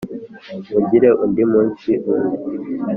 mugire undi munsi umwe.